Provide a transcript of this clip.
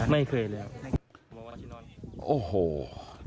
ไม่เคยแล้ว